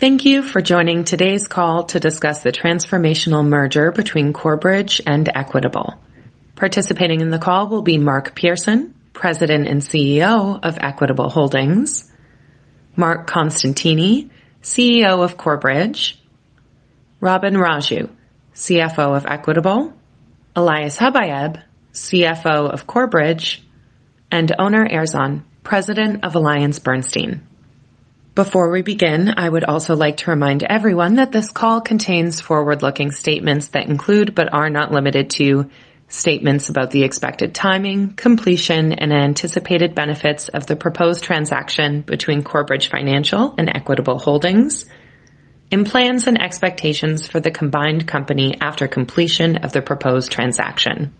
Thank you for joining today's call to discuss the transformational merger between Corebridge and Equitable. Participating in the call will be Mark Pearson, President and CEO of Equitable Holdings, Marc Costantini, CEO of Corebridge, Robin Raju, CFO of Equitable, Elias Habayeb, CFO of Corebridge, and Onur Erzan, President of AllianceBernstein. Before we begin, I would also like to remind everyone that this call contains forward-looking statements that include, but are not limited to, statements about the expected timing, completion, and anticipated benefits of the proposed transaction between Corebridge Financial and Equitable Holdings and plans and expectations for the combined company after completion of the proposed transaction.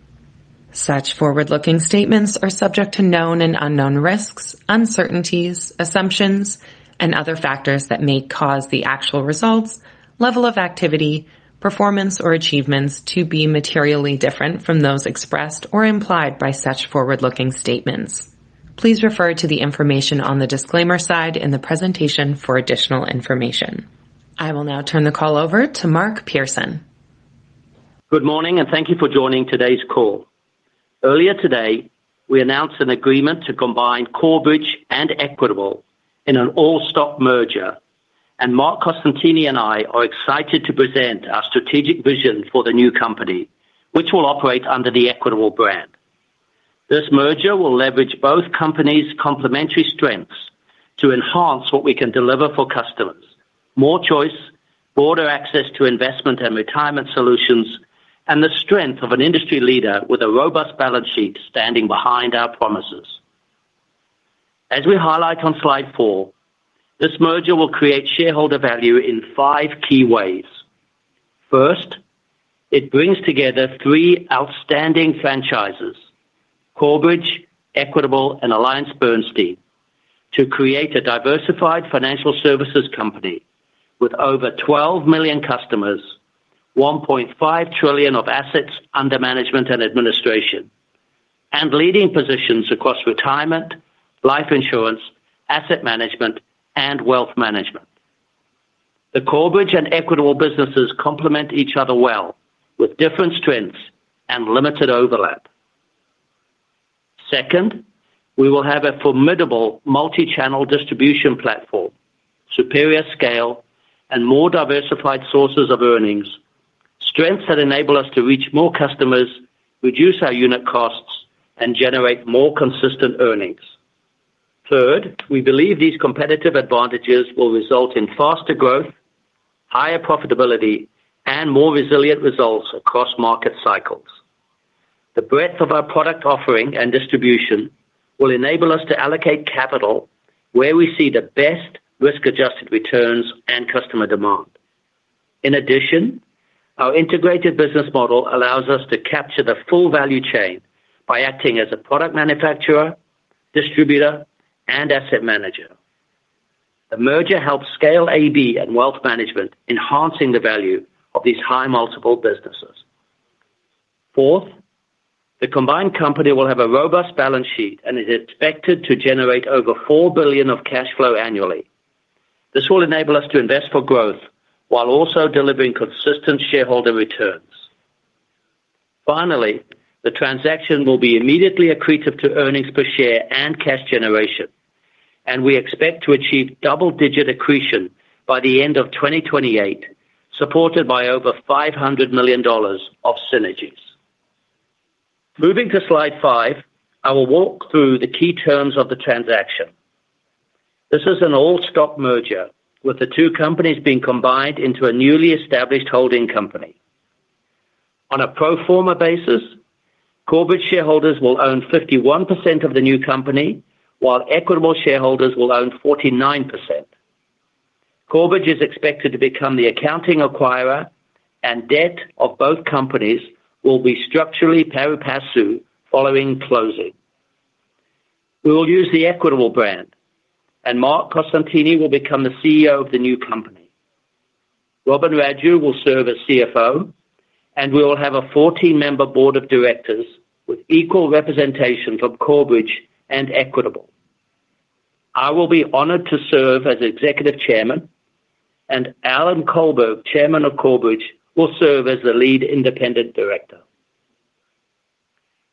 Such forward-looking statements are subject to known and unknown risks, uncertainties, assumptions, and other factors that may cause the actual results, level of activity, performance, or achievements to be materially different from those expressed or implied by such forward-looking statements. Please refer to the information on the disclaimer side in the presentation for additional information. I will now turn the call over to Mark Pearson. Good morning, and thank you for joining today's call. Earlier today, we announced an agreement to combine Corebridge and Equitable in an all-stock merger, and Marc Costantini and I are excited to present our strategic vision for the new company, which will operate under the Equitable brand. This merger will leverage both companies' complementary strengths to enhance what we can deliver for customers. More choice, broader access to investment and retirement solutions, and the strength of an industry leader with a robust balance sheet standing behind our promises. As we highlight on slide four, this merger will create shareholder value in five key ways. First, it brings together three outstanding franchises, Corebridge, Equitable, and AllianceBernstein, to create a diversified financial services company with over 12 million customers, 1.5 trillion of assets under management and administration, and leading positions across retirement, life insurance, asset management, and wealth management. The Corebridge and Equitable businesses complement each other well with different strengths and limited overlap. Second, we will have a formidable multi-channel distribution platform, superior scale, and more diversified sources of earnings. Strengths that enable us to reach more customers, reduce our unit costs, and generate more consistent earnings. Third, we believe these competitive advantages will result in faster growth, higher profitability, and more resilient results across market cycles. The breadth of our product offering and distribution will enable us to allocate capital where we see the best risk-adjusted returns and customer demand. In addition, our integrated business model allows us to capture the full value chain by acting as a product manufacturer, distributor, and asset manager. The merger helps scale AB and wealth management, enhancing the value of these high multiple businesses. Fourth, the combined company will have a robust balance sheet and is expected to generate over $4 billion of cash flow annually. This will enable us to invest for growth while also delivering consistent shareholder returns. Finally, the transaction will be immediately accretive to earnings per share and cash generation, and we expect to achieve double-digit accretion by the end of 2028, supported by over $500 million of synergies. Moving to slide 5, I will walk through the key terms of the transaction. This is an all-stock merger with the two companies being combined into a newly established holding company. On a pro forma basis, Corebridge shareholders will own 51% of the new company, while Equitable shareholders will own 49%. Corebridge is expected to become the accounting acquirer, and debt of both companies will be structurally pari passu following closing. We will use the Equitable brand, and Marc Costantini will become the CEO of the new company. Robin Raju will serve as CFO, and we will have a 14-member board of directors with equal representation from Corebridge and Equitable. I will be honored to serve as Executive Chairman, and Alan Colberg, Chairman of Corebridge, will serve as the Lead Independent Director.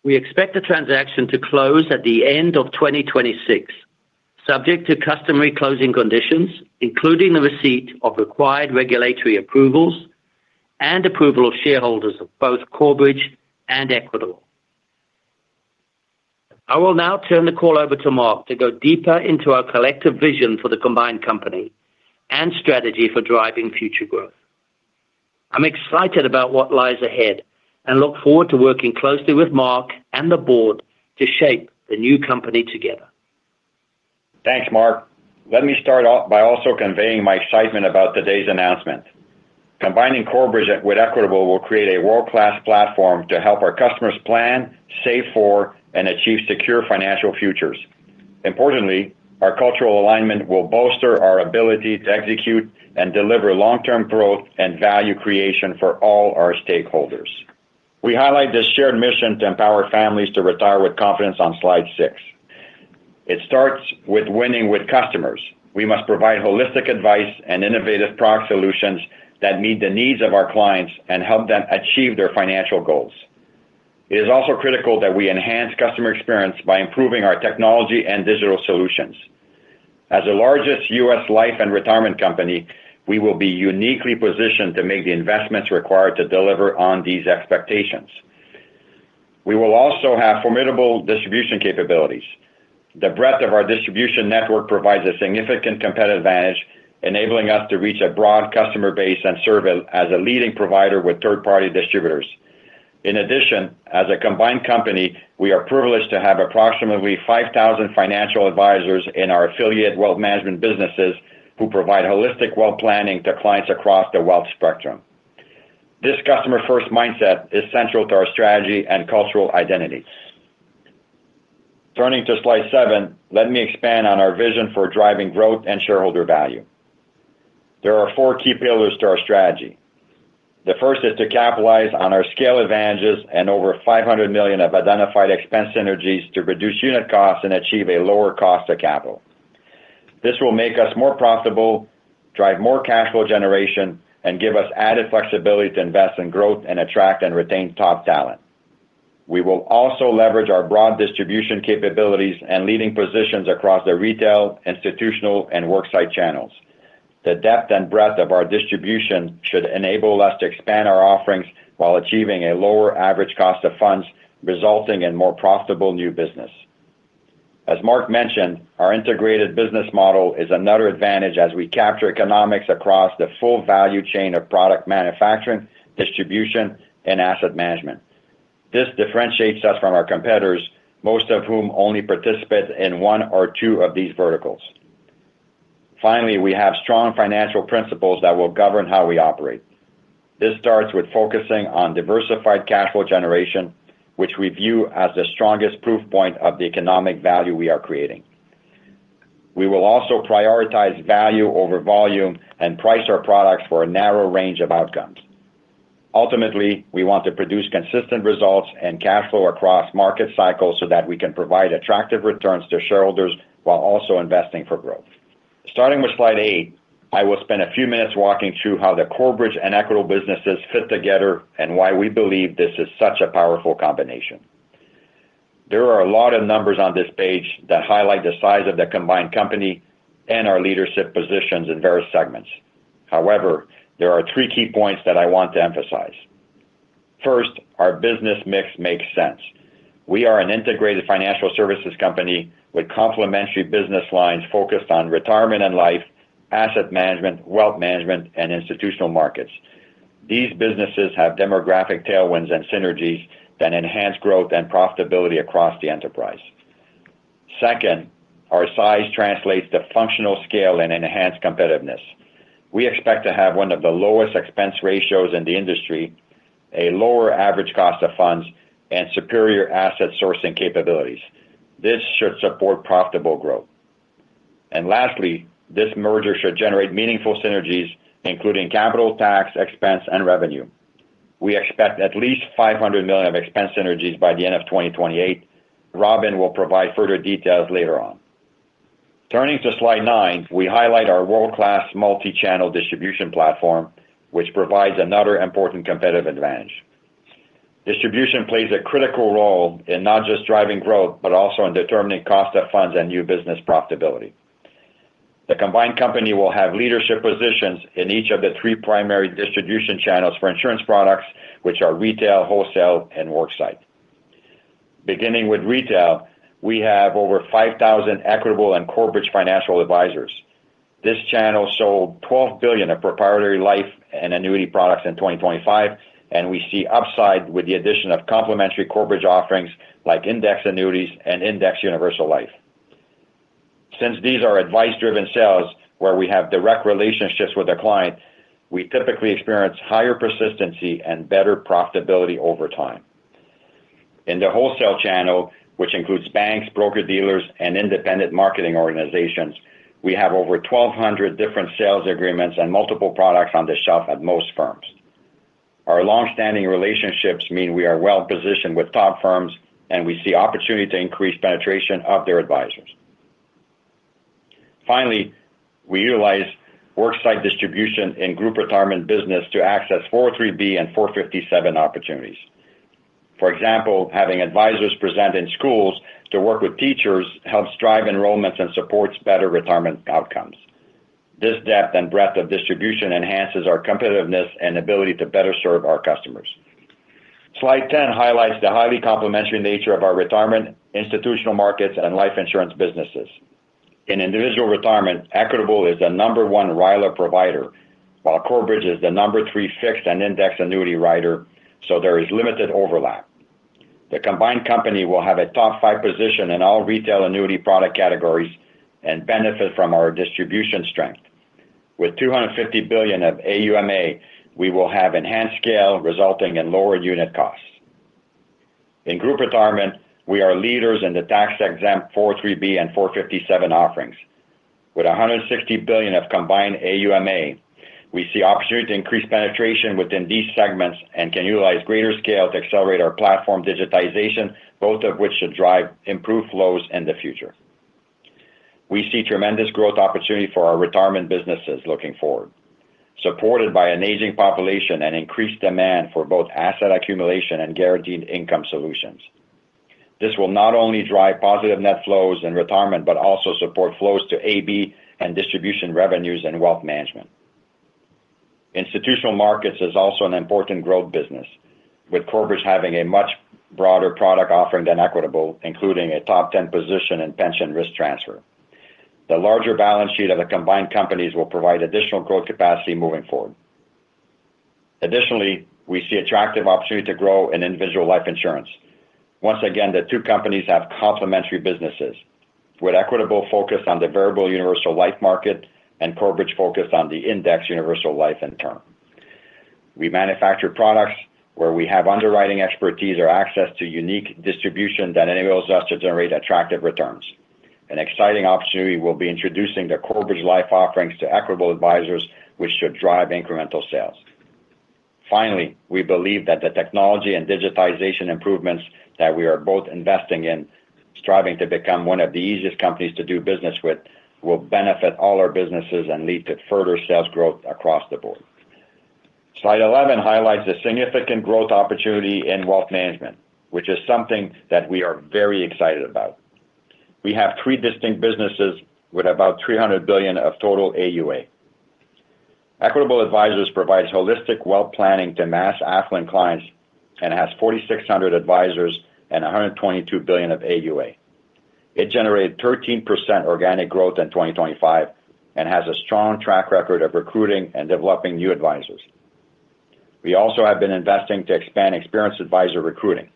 We expect the transaction to close at the end of 2026, subject to customary closing conditions, including the receipt of required regulatory approvals and approval of shareholders of both Corebridge and Equitable. I will now turn the call over to Mark to go deeper into our collective vision for the combined company and strategy for driving future growth. I'm excited about what lies ahead and look forward to working closely with Mark and the board to shape the new company together. Thanks, Mark. Let me start by also conveying my excitement about today's announcement. Combining Corebridge with Equitable will create a world-class platform to help our customers plan, save for, and achieve secure financial futures. Importantly, our cultural alignment will bolster our ability to execute and deliver long-term growth and value creation for all our stakeholders. We highlight this shared mission to empower families to retire with confidence on slide six. It starts with winning with customers. We must provide holistic advice and innovative product solutions that meet the needs of our clients and help them achieve their financial goals. It is also critical that we enhance customer experience by improving our technology and digital solutions. As the largest U.S. life and retirement company, we will be uniquely positioned to make the investments required to deliver on these expectations. We will also have formidable distribution capabilities. The breadth of our distribution network provides a significant competitive advantage, enabling us to reach a broad customer base and serve as a leading provider with third-party distributors. In addition, as a combined company, we are privileged to have approximately 5,000 financial advisors in our affiliate wealth management businesses who provide holistic wealth planning to clients across the wealth spectrum. This customer-first mindset is central to our strategy and cultural identities. Turning to slide seven, let me expand on our vision for driving growth and shareholder value. There are 4 key pillars to our strategy. The first is to capitalize on our scale advantages and over $500 million of identified expense synergies to reduce unit costs and achieve a lower cost of capital. This will make us more profitable, drive more cash flow generation, and give us added flexibility to invest in growth and attract and retain top talent. We will also leverage our broad distribution capabilities and leading positions across the retail, institutional, and worksite channels. The depth and breadth of our distribution should enable us to expand our offerings while achieving a lower average cost of funds, resulting in more profitable new business. As Mark mentioned, our integrated business model is another advantage as we capture economics across the full value chain of product manufacturing, distribution, and asset management. This differentiates us from our competitors, most of whom only participate in one or two of these verticals. Finally, we have strong financial principles that will govern how we operate. This starts with focusing on diversified cash flow generation, which we view as the strongest proof point of the economic value we are creating. We will also prioritize value over volume and price our products for a narrow range of outcomes. Ultimately, we want to produce consistent results and cash flow across market cycles so that we can provide attractive returns to shareholders while also investing for growth. Starting with slide eight, I will spend a few minutes walking through how the Corebridge and Equitable businesses fit together and why we believe this is such a powerful combination. There are a lot of numbers on this page that highlight the size of the combined company and our leadership positions in various segments. However, there are three key points that I want to emphasize. First, our business mix makes sense. We are an integrated financial services company with complementary business lines focused on retirement and life, asset management, wealth management, and Institutional Markets. These businesses have demographic tailwinds and synergies that enhance growth and profitability across the enterprise. Second, our size translates to functional scale and enhanced competitiveness. We expect to have one of the lowest expense ratios in the industry, a lower average cost of funds, and superior asset sourcing capabilities. This should support profitable growth. Lastly, this merger should generate meaningful synergies, including capital tax, expense, and revenue. We expect at least $500 million of expense synergies by the end of 2028. Robin will provide further details later on. Turning to slide 9, we highlight our world-class multi-channel distribution platform, which provides another important competitive advantage. Distribution plays a critical role in not just driving growth, but also in determining cost of funds and new business profitability. The combined company will have leadership positions in each of the three primary distribution channels for insurance products, which are retail, wholesale, and worksite. Beginning with retail, we have over 5,000 Equitable and Corebridge financial advisors. This channel sold $12 billion of proprietary life and annuity products in 2025, and we see upside with the addition of complementary Corebridge offerings like index annuities and index universal life. Since these are advice-driven sales where we have direct relationships with the client, we typically experience higher persistency and better profitability over time. In the wholesale channel, which includes banks, broker-dealers, and independent marketing organizations, we have over 1,200 different sales agreements and multiple products on the shelf at most firms. Our long-standing relationships mean we are well positioned with top firms, and we see opportunity to increase penetration of their advisors. Finally, we utilize worksite distribution in Group Retirement business to access 403(b) and 457 opportunities. For example, having advisors present in schools to work with teachers helps drive enrollments and supports better retirement outcomes. This depth and breadth of distribution enhances our competitiveness and ability to better serve our customers. Slide 10 highlights the highly complementary nature of our retirement, Institutional Markets, and Life Insurance businesses. In Individual Retirement, Equitable is the number one RILA provider, while Corebridge is the number three fixed index annuity writer, so there is limited overlap. The combined company will have a top five position in all retail annuity product categories and benefit from our distribution strength. With 250 billion of AUMA, we will have enhanced scale, resulting in lower unit costs. In Group Retirement, we are leaders in the tax-exempt 403(b) and 457 offerings. With 160 billion of combined AUMA, we see opportunity to increase penetration within these segments and can utilize greater scale to accelerate our platform digitization, both of which should drive improved flows in the future. We see tremendous growth opportunity for our retirement businesses looking forward, supported by an aging population and increased demand for both asset accumulation and guaranteed income solutions. This will not only drive positive net flows in retirement, but also support flows to AB and distribution revenues and wealth management. Institutional Markets is also an important growth business, with Corebridge having a much broader product offering than Equitable, including a top ten position in pension risk transfer. The larger balance sheet of the combined companies will provide additional growth capacity moving forward. Additionally, we see attractive opportunity to grow in individual life insurance. Once again, the two companies have complementary businesses, with Equitable focused on the Variable Universal Life market and Corebridge focused on the Index Universal Life and term. We manufacture products where we have underwriting expertise or access to unique distribution that enables us to generate attractive returns. An exciting opportunity will be introducing the Corebridge life offerings to Equitable Advisors, which should drive incremental sales. Finally, we believe that the technology and digitization improvements that we are both investing in, striving to become one of the easiest companies to do business with, will benefit all our businesses and lead to further sales growth across the board. Slide 11 highlights the significant growth opportunity in wealth management, which is something that we are very excited about. We have three distinct businesses with about 300 billion of total AUA. Equitable Advisors provides holistic wealth planning to mass affluent clients and has 4,600 advisors and 122 billion of AUA. It generated 13% organic growth in 2025 and has a strong track record of recruiting and developing new advisors. We also have been investing to expand experienced advisor recruiting.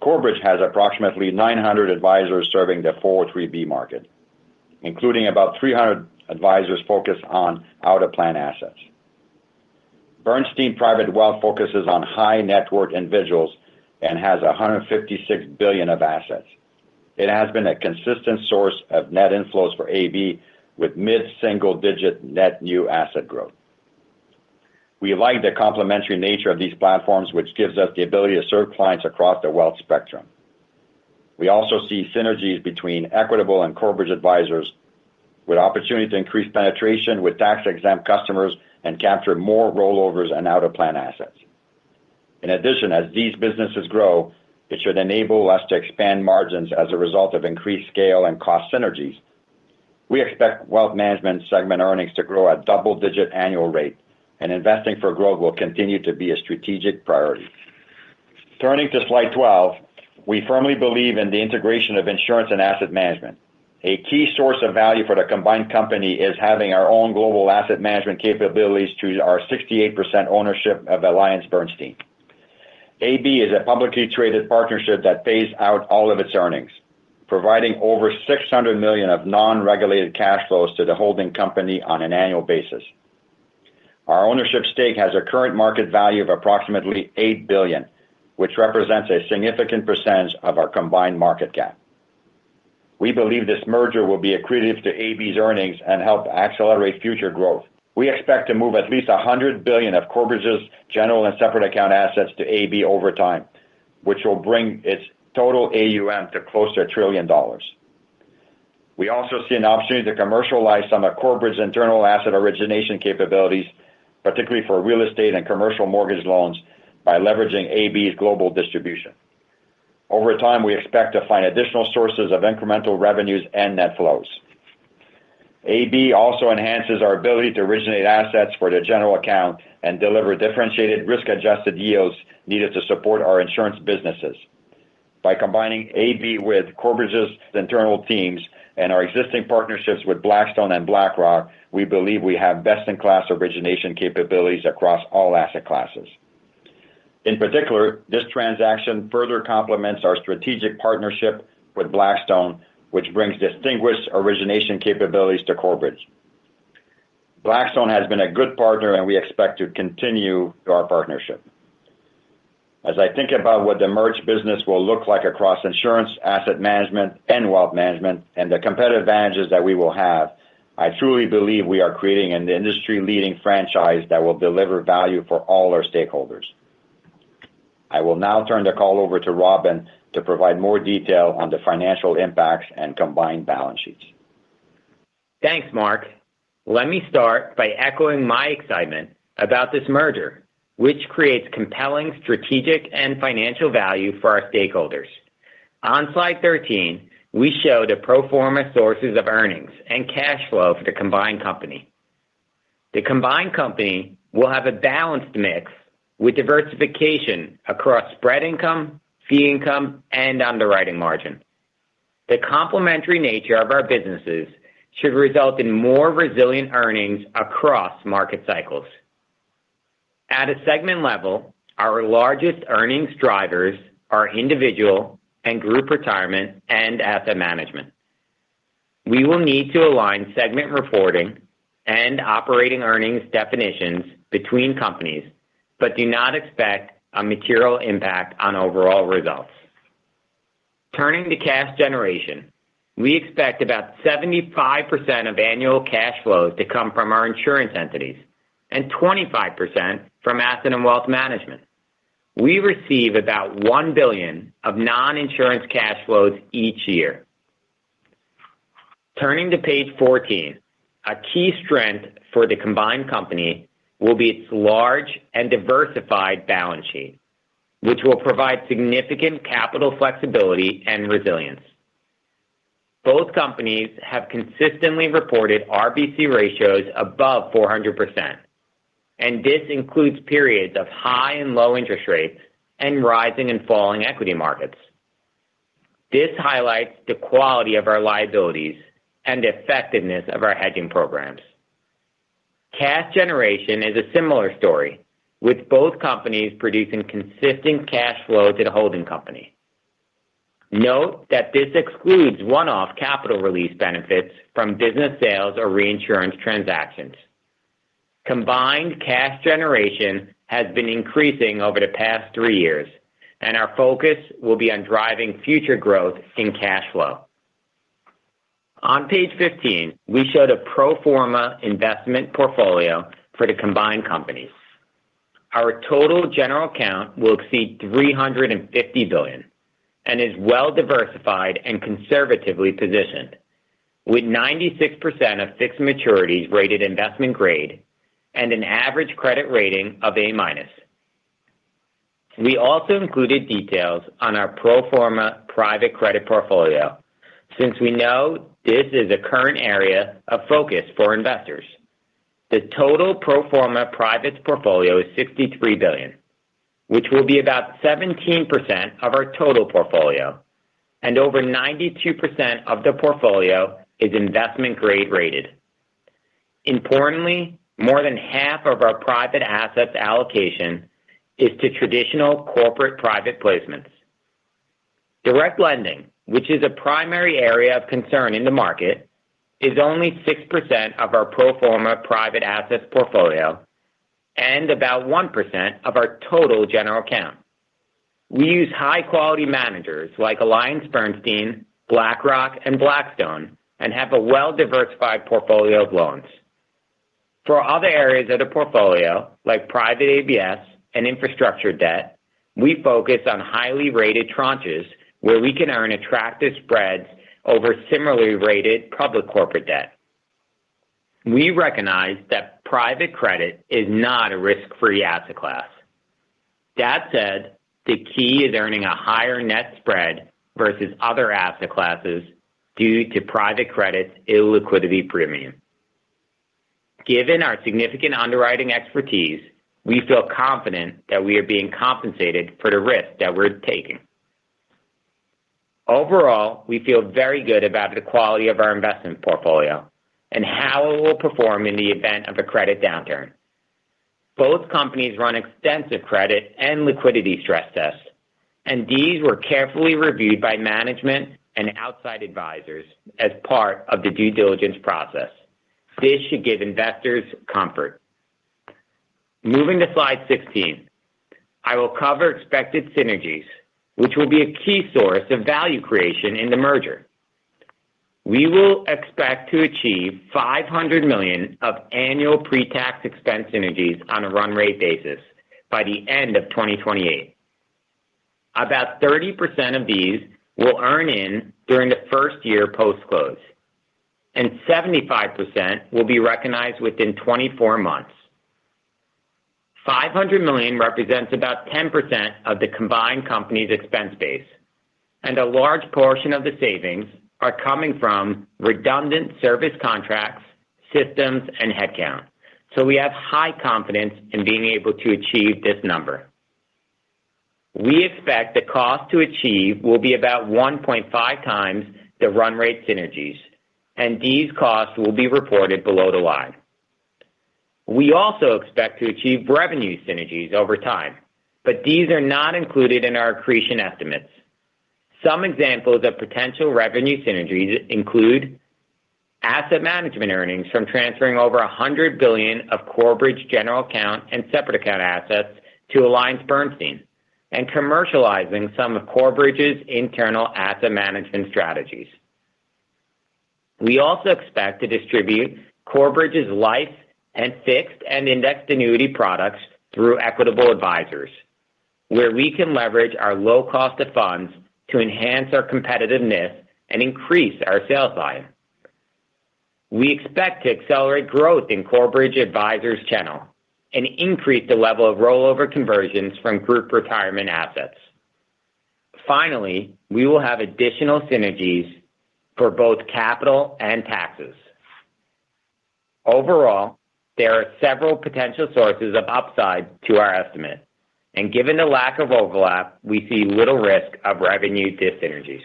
Corebridge has approximately 900 advisors serving the 403(b) market, including about 300 advisors focused on out-of-plan assets. Bernstein Private Wealth focuses on high-net-worth individuals and has 156 billion of assets. It has been a consistent source of net inflows for AB with mid-single-digit net new asset growth. We like the complementary nature of these platforms, which gives us the ability to serve clients across the wealth spectrum. We also see synergies between Equitable and Corebridge Advisors with opportunity to increase penetration with tax-exempt customers and capture more rollovers and out-of-plan assets. In addition, as these businesses grow, it should enable us to expand margins as a result of increased scale and cost synergies. We expect wealth management segment earnings to grow at double-digit annual rate, and investing for growth will continue to be a strategic priority. Turning to slide 12, we firmly believe in the integration of insurance and asset management. A key source of value for the combined company is having our own global asset management capabilities through our 68% ownership of AllianceBernstein. AB is a publicly traded partnership that pays out all of its earnings, providing over $600 million of non-regulated cash flows to the holding company on an annual basis. Our ownership stake has a current market value of approximately $8 billion, which represents a significant percentage of our combined market cap. We believe this merger will be accretive to AB's earnings and help accelerate future growth. We expect to move at least $100 billion of Corebridge's general and separate account assets to AB over time, which will bring its total AUM to close to $1 trillion. We also see an opportunity to commercialize some of Corebridge's internal asset origination capabilities, particularly for real estate and commercial mortgage loans, by leveraging AB's global distribution. Over time, we expect to find additional sources of incremental revenues and net flows. AB also enhances our ability to originate assets for the general account and deliver differentiated risk-adjusted yields needed to support our insurance businesses. By combining AB with Corebridge's internal teams and our existing partnerships with Blackstone and BlackRock, we believe we have best-in-class origination capabilities across all asset classes. In particular, this transaction further complements our strategic partnership with Blackstone, which brings distinguished origination capabilities to Corebridge. Blackstone has been a good partner, and we expect to continue our partnership. As I think about what the merged business will look like across insurance, asset management, and wealth management, and the competitive advantages that we will have, I truly believe we are creating an industry-leading franchise that will deliver value for all our stakeholders. I will now turn the call over to Robin to provide more detail on the financial impacts and combined balance sheets. Thanks, Mark. Let me start by echoing my excitement about this merger, which creates compelling strategic and financial value for our stakeholders. On slide 13, we show the pro forma sources of earnings and cash flow for the combined company. The combined company will have a balanced mix with diversification across spread income, fee income, and underwriting margin. The complementary nature of our businesses should result in more resilient earnings across market cycles. At a segment level, our largest earnings drivers are Individual and Group Retirement and Asset Management. We will need to align segment reporting and operating earnings definitions between companies but do not expect a material impact on overall results. Turning to cash generation, we expect about 75% of annual cash flows to come from our insurance entities and 25% from asset and wealth management. We receive about $1 billion of non-insurance cash flows each year. Turning to page 14, a key strength for the combined company will be its large and diversified balance sheet, which will provide significant capital flexibility and resilience. Both companies have consistently reported RBC ratios above 400%, and this includes periods of high and low interest rates and rising and falling equity markets. This highlights the quality of our liabilities and the effectiveness of our hedging programs. Cash generation is a similar story, with both companies producing consistent cash flows at a holding company. Note that this excludes one-off capital release benefits from business sales or reinsurance transactions. Combined cash generation has been increasing over the past three years, and our focus will be on driving future growth in cash flow. On page 15, we show the pro forma investment portfolio for the combined companies. Our total general account will exceed $350 billion and is well diversified and conservatively positioned, with 96% of fixed maturities rated investment grade and an average credit rating of A minus. We also included details on our pro forma private credit portfolio since we know this is a current area of focus for investors. The total pro forma privates portfolio is $63 billion, which will be about 17% of our total portfolio and over 92% of the portfolio is investment grade rated. Importantly, more than half of our private assets allocation is to traditional corporate private placements. Direct lending, which is a primary area of concern in the market, is only 6% of our pro forma private assets portfolio and about 1% of our total general account. We use high quality managers like AllianceBernstein, BlackRock, and Blackstone, and have a well-diversified portfolio of loans. For other areas of the portfolio, like private ABS and infrastructure debt, we focus on highly rated tranches where we can earn attractive spreads over similarly rated public corporate debt. We recognize that private credit is not a risk-free asset class. That said, the key is earning a higher net spread versus other asset classes due to private credit's illiquidity premium. Given our significant underwriting expertise, we feel confident that we are being compensated for the risk that we're taking. Overall, we feel very good about the quality of our investment portfolio and how it will perform in the event of a credit downturn. Both companies run extensive credit and liquidity stress tests, and these were carefully reviewed by management and outside advisors as part of the due diligence process. This should give investors comfort. Moving to slide 16, I will cover expected synergies, which will be a key source of value creation in the merger. We will expect to achieve $500 million of annual pre-tax expense synergies on a run rate basis by the end of 2028. About 30% of these will earn in during the first year post-close, and 75% will be recognized within 24 months. $500 million represents about 10% of the combined company's expense base, and a large portion of the savings are coming from redundant service contracts, systems, and headcount. We have high confidence in being able to achieve this number. We expect the cost to achieve will be about 1.5 times the run rate synergies, and these costs will be reported below the line. We also expect to achieve revenue synergies over time, but these are not included in our accretion estimates. Some examples of potential revenue synergies include asset management earnings from transferring over $100 billion of Corebridge general account and separate account assets to AllianceBernstein and commercializing some of Corebridge's internal asset management strategies. We also expect to distribute Corebridge's life and fixed and indexed annuity products through Equitable Advisors, where we can leverage our low cost of funds to enhance our competitiveness and increase our sales side. We expect to accelerate growth in Corebridge Advisors channel and increase the level of rollover conversions from group retirement assets. Finally, we will have additional synergies for both capital and taxes. Overall, there are several potential sources of upside to our estimate, and given the lack of overlap, we see little risk of revenue dyssynergies.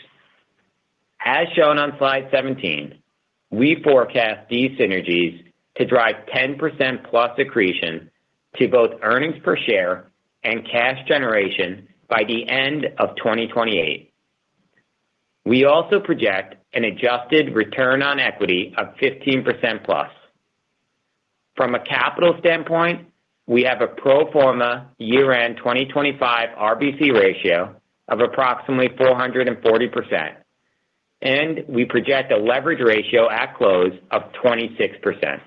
As shown on slide 17, we forecast these synergies to drive 10%+ accretion to both earnings per share and cash generation by the end of 2028. We also project an adjusted return on equity of 15%+. From a capital standpoint, we have a pro forma year-end 2025 RBC ratio of approximately 440%, and we project a leverage ratio at close of 26%.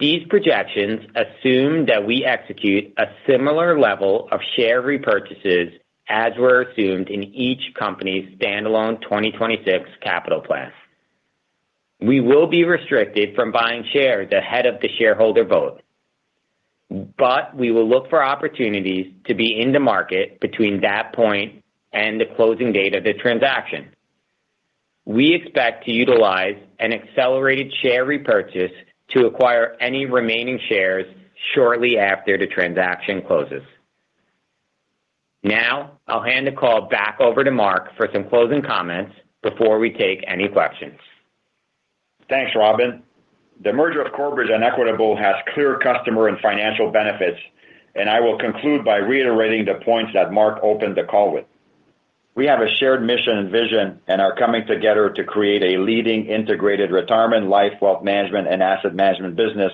These projections assume that we execute a similar level of share repurchases as were assumed in each company's standalone 2026 capital plans. We will be restricted from buying shares ahead of the shareholder vote, but we will look for opportunities to be in the market between that point and the closing date of the transaction. We expect to utilize an accelerated share repurchase to acquire any remaining shares shortly after the transaction closes. Now, I'll hand the call back over to Marc for some closing comments before we take any questions. Thanks, Robin. The merger of Corebridge and Equitable has clear customer and financial benefits, and I will conclude by reiterating the points that Mark opened the call with. We have a shared mission and vision and are coming together to create a leading integrated retirement, life, wealth management, and asset management business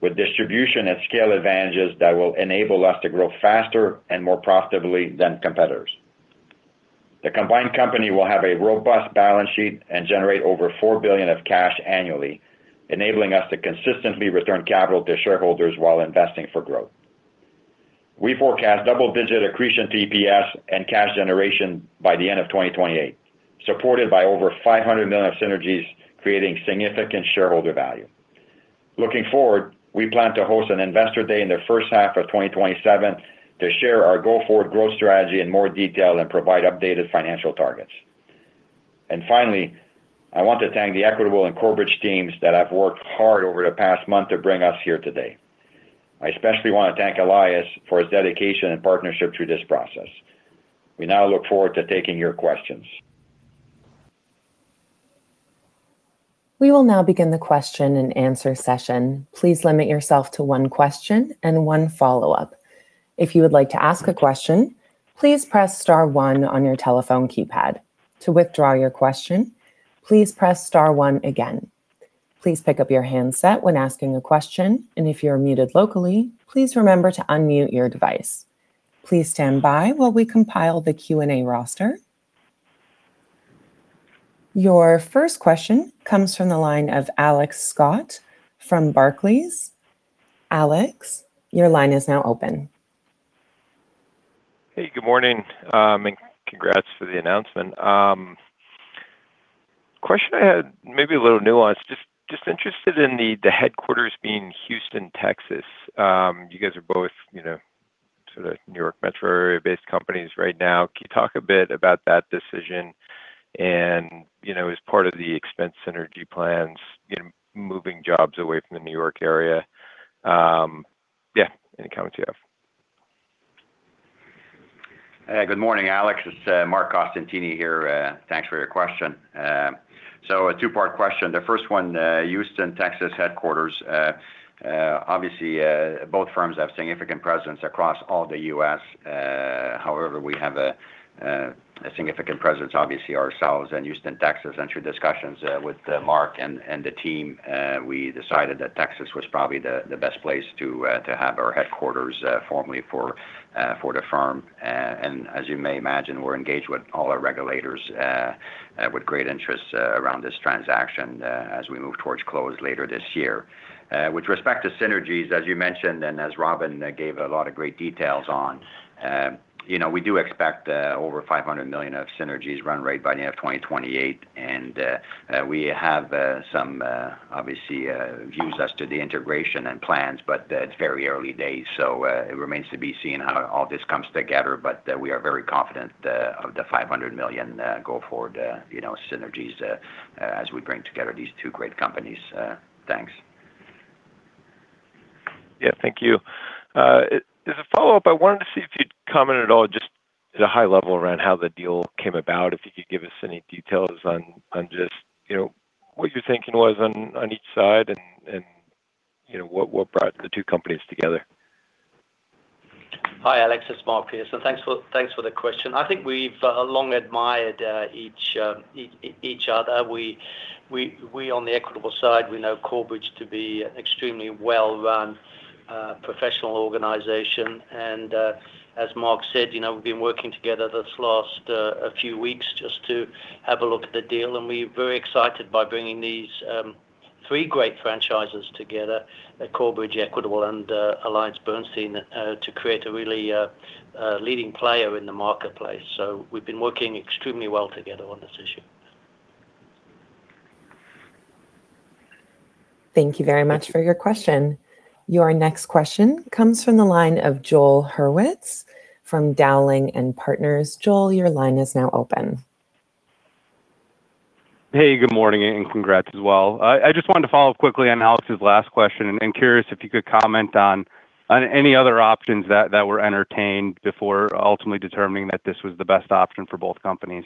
with distribution and scale advantages that will enable us to grow faster and more profitably than competitors. The combined company will have a robust balance sheet and generate over $4 billion of cash annually, enabling us to consistently return capital to shareholders while investing for growth. We forecast double-digit accretion to EPS and cash generation by the end of 2028, supported by over $500 million of synergies creating significant shareholder value. Looking forward, we plan to host an Investor Day in the first half of 2027 to share our go-forward growth strategy in more detail and provide updated financial targets. Finally, I want to thank the Equitable and Corebridge teams that have worked hard over the past month to bring us here today. I especially want to thank Elias for his dedication and partnership through this process. We now look forward to taking your questions. We will now begin the question-and-answer session. Please limit yourself to one question and one follow-up. If you would like to ask a question, please press star one on your telephone keypad. To withdraw your question, please press star one again. Please pick up your handset when asking a question, and if you're muted locally, please remember to unmute your device. Please stand by while we compile the Q&A roster. Your first question comes from the line of Alex Scott from Barclays. Alex, your line is now open. Hey, good morning, and congrats for the announcement. The question I had may be a little nuanced, just interested in the headquarters being Houston, Texas. You guys are both, you know, sort of New York metro area-based companies right now. Can you talk a bit about that decision and, you know, as part of the expense synergy plans in moving jobs away from the New York area? Yeah, any comments you have. Good morning, Alex. It's Marc Costantini here. Thanks for your question. A two-part question. The first one, Houston, Texas headquarters. Obviously, both firms have significant presence across all the U.S. However, we have a significant presence, obviously ourselves in Houston, Texas. Through discussions with Mark and the team, we decided that Texas was probably the best place to have our headquarters formally for the firm. As you may imagine, we're engaged with all our regulators with great interest around this transaction as we move towards close later this year. With respect to synergies, as you mentioned, and as Robin gave a lot of great details on, you know, we do expect over $500 million of synergies run rate by the end of 2028. We have some obviously views as to the integration and plans, but it's very early days, so it remains to be seen how all this comes together. We are very confident of the $500 million go forward, you know, synergies, as we bring together these two great companies. Thanks. Yeah. Thank you. As a follow-up, I wanted to see if you'd comment at all, just at a high level around how the deal came about, if you could give us any details on just, you know, what your thinking was on each side and, you know, what brought the two companies together. Hi, Alex. It's Mark Pearson. Thanks for the question. I think we've long admired each other. We on the Equitable side, we know Corebridge to be extremely well-run professional organization. As Mark said, you know, we've been working together this last few weeks just to have a look at the deal, and we're very excited by bringing these three great franchises together at Corebridge, Equitable, and AllianceBernstein to create a really leading player in the marketplace. We've been working extremely well together on this issue. Thank you very much for your question. Your next question comes from the line of Joel Hurwitz from Dowling & Partners. Joel, your line is now open. Hey, good morning, and congrats as well. I just wanted to follow up quickly on Alex's last question, and curious if you could comment on any other options that were entertained before ultimately determining that this was the best option for both companies.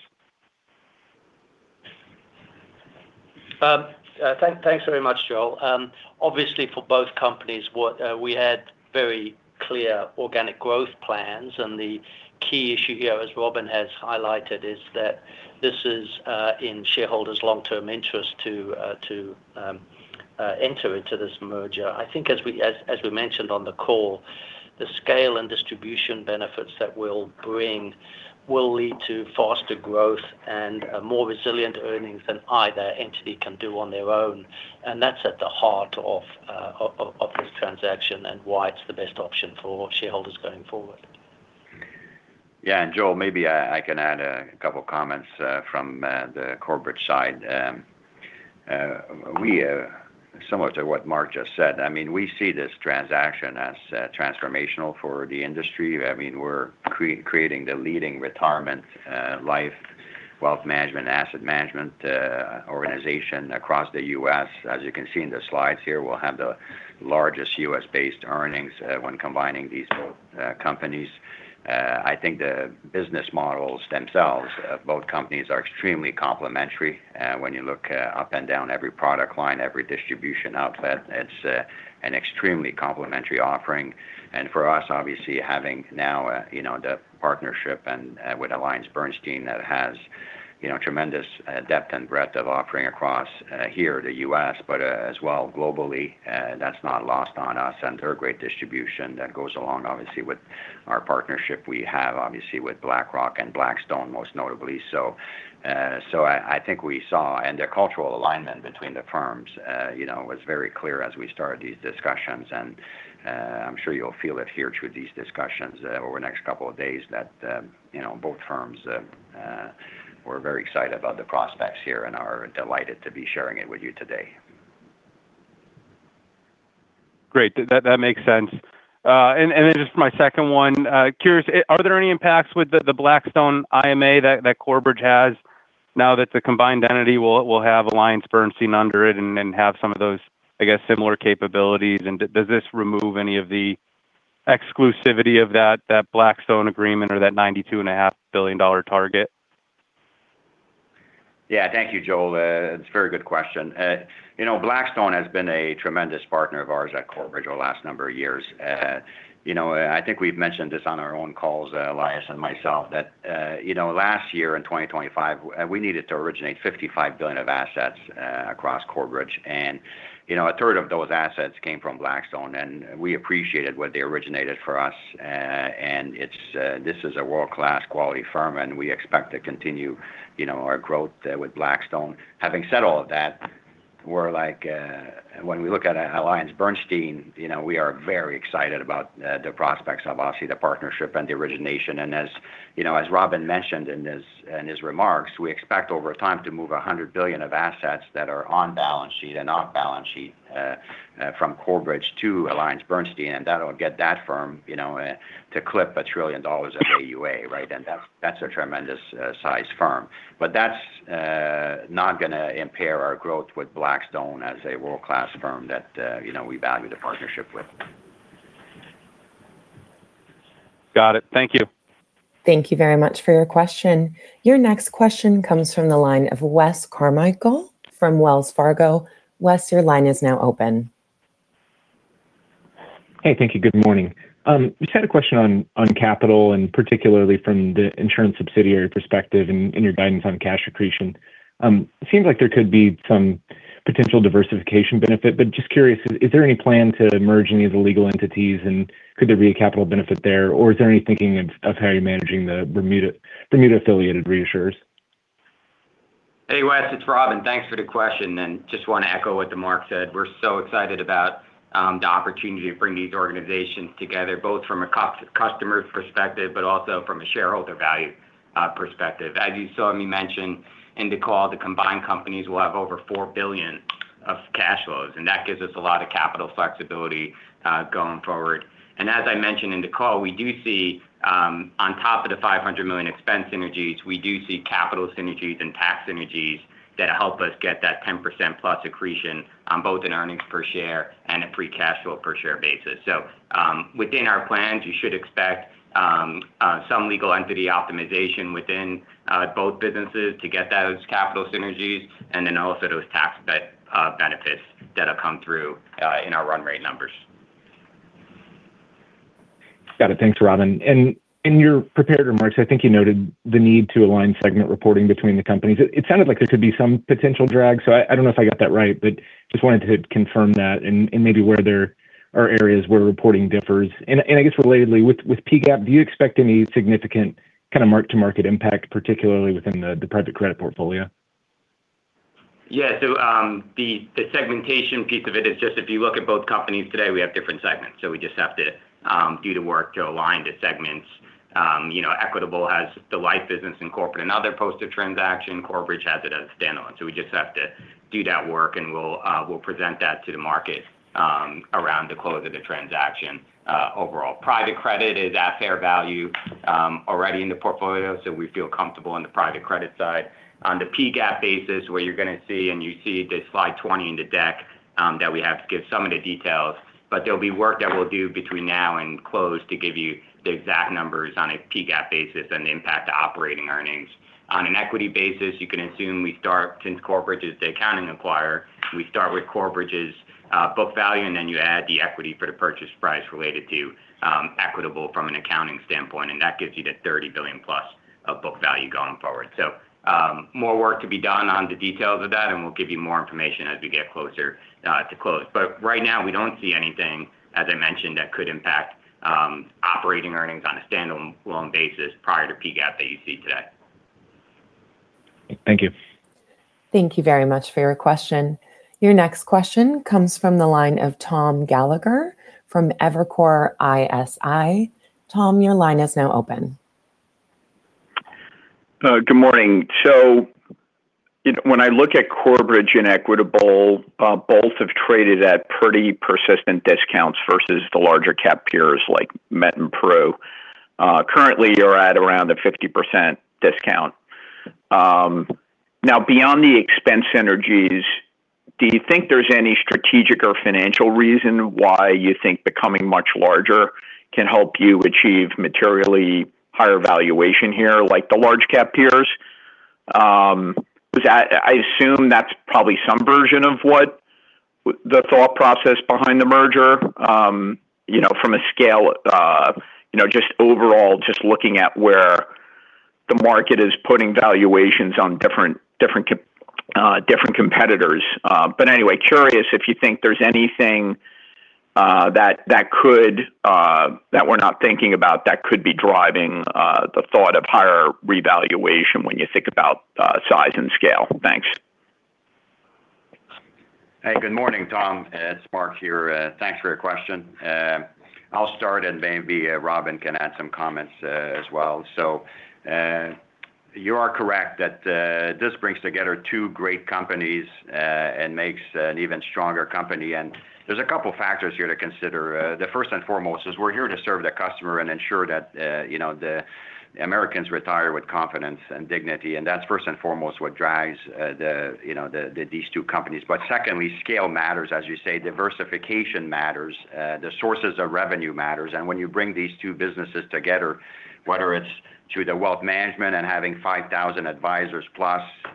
Thanks very much, Joel. Obviously for both companies, what we had very clear organic growth plans, and the key issue here, as Robin has highlighted, is that this is in shareholders' long-term interest to Enter into this merger. I think as we mentioned on the call, the scale and distribution benefits that we'll bring will lead to faster growth and a more resilient earnings than either entity can do on their own. That's at the heart of this transaction and why it's the best option for shareholders going forward. Yeah. Joel, maybe I can add a couple comments from the corporate side. Similar to what Mark just said, I mean, we see this transaction as transformational for the industry. I mean, we're creating the leading retirement life wealth management, asset management organization across the U.S. As you can see in the slides here, we'll have the largest U.S.-based earnings when combining these two companies. I think the business models themselves of both companies are extremely complementary. When you look up and down every product line, every distribution outlet, it's an extremely complementary offering. For us, obviously, having now, you know, the partnership and with AllianceBernstein that has, you know, tremendous depth and breadth of offering across here in the U.S., but as well globally, that's not lost on us. They're a great distribution that goes along, obviously, with our partnership we have, obviously, with BlackRock and Blackstone, most notably so. The cultural alignment between the firms, you know, was very clear as we started these discussions. I'm sure you'll feel it here through these discussions over the next couple of days that, you know, both firms, we're very excited about the prospects here and are delighted to be sharing it with you today. Great. That makes sense. Then just my second one, curious, are there any impacts with the Blackstone IMA that Corebridge has now that the combined entity will have AllianceBernstein under it and have some of those, I guess, similar capabilities? Does this remove any of the exclusivity of that Blackstone agreement or that $92.5 billion target? Yeah. Thank you, Joel. It's a very good question. You know, Blackstone has been a tremendous partner of ours at Corebridge over the last number of years. You know, I think we've mentioned this on our own calls, Elias and myself, that, you know, last year in 2025, we needed to originate $55 billion of assets across Corebridge. You know, 1/3 of those assets came from Blackstone, and we appreciated what they originated for us. And it's a world-class quality firm, and we expect to continue, you know, our growth with Blackstone. Having said all of that, we're like, when we look at AllianceBernstein, you know, we are very excited about the prospects of, obviously, the partnership and the origination. As you know, as Robin mentioned in his remarks, we expect over time to move $100 billion of assets that are on balance sheet and off balance sheet from Corebridge to AllianceBernstein, and that'll get that firm, you know, to like a trillion dollars of AUA, right? That's a tremendous size firm. That's not gonna impair our growth with Blackstone as a world-class firm that, you know, we value the partnership with. Got it. Thank you. Thank you very much for your question. Your next question comes from the line of Wes Carmichael from Wells Fargo. Wes, your line is now open. Hey. Thank you. Good morning. Just had a question on capital and particularly from the insurance subsidiary perspective and your guidance on cash accretion. It seems like there could be some potential diversification benefit, but just curious, is there any plan to merge any of the legal entities, and could there be a capital benefit there? Or is there any thinking of how you're managing the Bermuda-affiliated reinsurers? Hey, Wes. It's Robin. Thanks for the question, and just want to echo what Mark said. We're so excited about the opportunity to bring these organizations together, both from a customer's perspective, but also from a shareholder value perspective. As you saw me mention in the call, the combined companies will have over $4 billion of cash flows, and that gives us a lot of capital flexibility going forward. As I mentioned in the call, we do see on top of the $500 million expense synergies, we do see capital synergies and tax synergies that help us get that 10%+ accretion on both an earnings per share and a free cash flow per share basis. Within our plans, you should expect some legal entity optimization within both businesses to get those capital synergies and then also those tax benefits that have come through in our run rate numbers. Got it. Thanks, Robin. In your prepared remarks, I think you noted the need to align segment reporting between the companies. It sounded like there could be some potential drag, so I don't know if I got that right, but just wanted to confirm that and maybe where there are areas where reporting differs. I guess relatedly, with PGAAP, do you expect any significant kind of mark-to-market impact, particularly within the private credit portfolio? Yeah. The segmentation piece of it is just if you look at both companies today, we have different segments. We just have to do the work to align the segments. You know, Equitable has the life business and corporate and other post-transaction. Corebridge has it as standalone. We just have to do that work, and we'll present that to the market around the close of the transaction overall. Private credit is at fair value already in the portfolio, so we feel comfortable in the private credit side. On the PGAAP basis, where you're gonna see, and you see the slide 20 in the deck, that we have to give some of the details, but there'll be work that we'll do between now and close to give you the exact numbers on a PGAAP basis and the impact to operating earnings. On an equity basis, you can assume we start, since Corebridge is the accounting acquirer, we start with Corebridge's book value, and then you add the equity for the purchase price related to Equitable from an accounting standpoint, and that gives you the $30 billion+ of book value going forward. More work to be done on the details of that, and we'll give you more information as we get closer to close. Right now, we don't see anything, as I mentioned, that could impact operating earnings on a standalone basis prior to PGAAP that you see today. Thank you. Thank you very much for your question. Your next question comes from the line of Tom Gallagher from Evercore ISI. Tom, your line is now open. Good morning. When I look at Corebridge and Equitable, both have traded at pretty persistent discounts versus the large-cap peers like MetLife and Prudential. Currently, you're at around a 50% discount. Beyond the expense synergies, do you think there's any strategic or financial reason why you think becoming much larger can help you achieve materially higher valuation here, like the large-cap peers? I assume that's probably some version of the thought process behind the merger, you know, from a scale, you know, just overall just looking at where the market is putting valuations on different competitors. Anyway, curious if you think there's anything that could that we're not thinking about that could be driving the thought of higher revaluation when you think about size and scale? Thanks. Hey, good morning, Tom. It's Marc here. Thanks for your question. I'll start, and maybe Robin can add some comments as well. You are correct that this brings together two great companies and makes an even stronger company. There's a couple factors here to consider. The first and foremost is we're here to serve the customer and ensure that you know the Americans retire with confidence and dignity. That's first and foremost what drives you know these two companies. Secondly, scale matters, as you say, diversification matters. The sources of revenue matters. When you bring these two businesses together, whether it's through the wealth management and having 5,000+ advisors,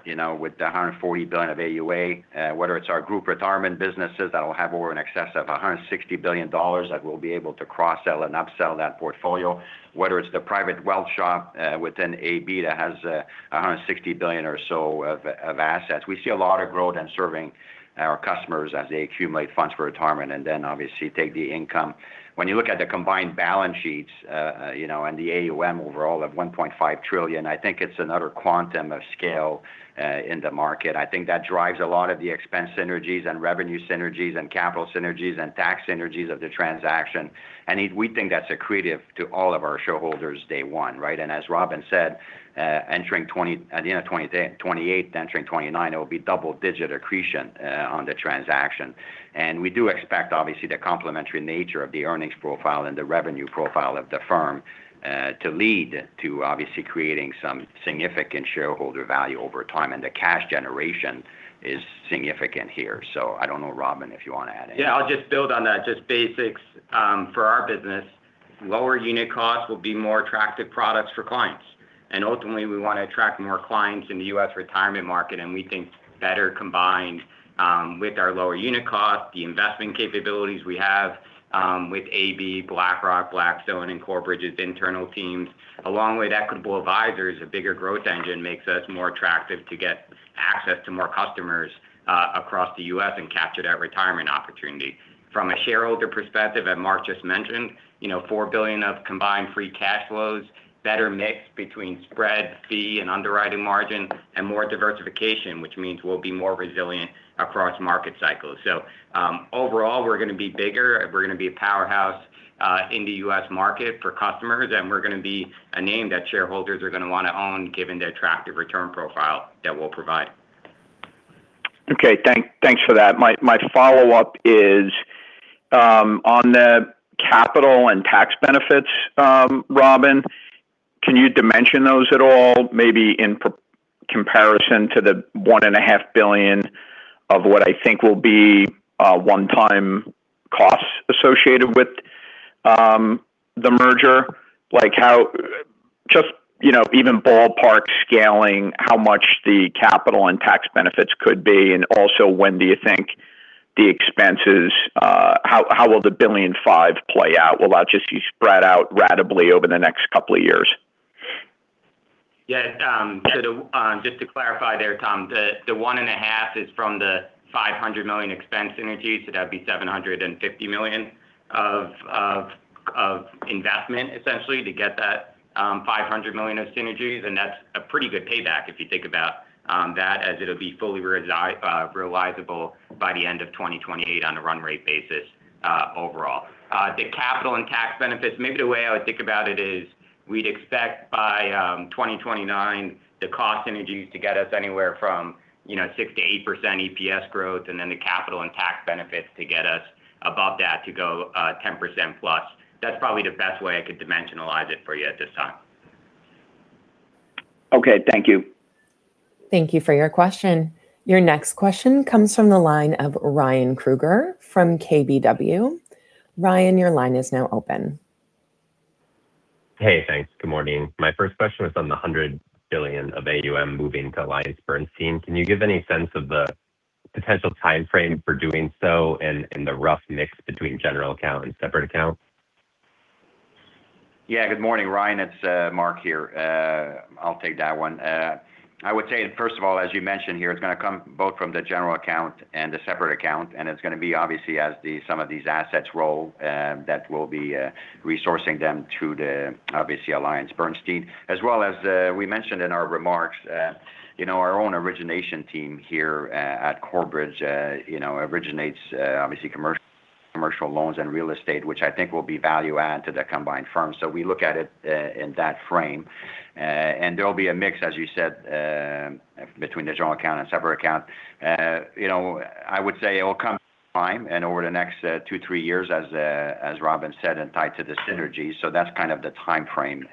you know, with the $140 billion of AUA, whether it's our group retirement businesses that'll have in excess of a $160 billion that we'll be able to cross-sell and upsell that portfolio, whether it's the private wealth shop within AB that has a $160 billion or so of assets. We see a lot of growth in serving our customers as they accumulate funds for retirement and then obviously take the income. When you look at the combined balance sheets, you know, and the AUM overall of $1.5 trillion, I think it's another quantum of scale in the market. I think that drives a lot of the expense synergies and revenue synergies and capital synergies and tax synergies of the transaction. We think that's accretive to all of our shareholders day one, right? As Robin said, at the end of 2028, entering 2029, it will be double-digit accretion on the transaction. We do expect, obviously, the complementary nature of the earnings profile and the revenue profile of the firm to lead to obviously creating some significant shareholder value over time. The cash generation is significant here. I don't know, Robin, if you want to add anything. Yeah, I'll just build on that, just basics, for our business. Lower unit costs will be more attractive products for clients. Ultimately, we want to attract more clients in the U.S. retirement market, and we think better combined with our lower unit cost, the investment capabilities we have with AB, BlackRock, Blackstone, and Corebridge's internal teams, along with Equitable Advisors, a bigger growth engine makes us more attractive to get access to more customers across the U.S. and capture that retirement opportunity. From a shareholder perspective, as Mark just mentioned, you know, $4 billion of combined free cash flows, better mix between spread, fee, and underwriting margin, and more diversification, which means we'll be more resilient across market cycles. Overall, we're going to be bigger, we're going to be a powerhouse in the U.S. market for customers, and we're going to be a name that shareholders are going to want to own given the attractive return profile that we'll provide. Thanks for that. My follow-up is on the capital and tax benefits. Robin, can you dimension those at all, maybe in comparison to the $1.5 billion of what I think will be one-time costs associated with the merger? Just, you know, even ballpark scaling how much the capital and tax benefits could be, and also when do you think the expenses, how will the $1.5 billion play out? Will that just be spread out ratably over the next couple of years? Yeah. So just to clarify there, Tom, the 1.5 is from the $500 million expense synergies, so that would be $750 million of investment, essentially, to get that $500 million of synergies. That's a pretty good payback if you think about that as it'll be fully realizable by the end of 2028 on a run rate basis, overall. The capital and tax benefits, maybe the way I would think about it is we'd expect by 2029 the cost synergies to get us anywhere from, you know, 6%-8% EPS growth, and then the capital and tax benefits to get us above that to go 10%+. That's probably the best way I could dimensionalize it for you at this time. Okay, thank you. Thank you for your question. Your next question comes from the line of Ryan Krueger from KBW. Ryan, your line is now open. Hey, thanks. Good morning. My first question was on the 100 billion of AUM moving to AllianceBernstein. Can you give any sense of the potential time frame for doing so and the rough mix between general account and separate accounts? Yeah. Good morning, Ryan. It's Mark here. I'll take that one. I would say, first of all, as you mentioned here, it's gonna come both from the general account and the separate account, and it's gonna be obviously some of these assets roll that we'll be resourcing them to, obviously, AllianceBernstein. As well as, we mentioned in our remarks, you know, our own origination team here at Corebridge, you know, originates obviously commercial loans and real estate, which I think will be value add to the combined firms. We look at it in that frame. There'll be a mix, as you said, between the general account and separate account. You know, I would say it will come time and over the next two, three years as Robin said, and tied to the synergy. That's kind of the time frame.